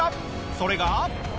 それが。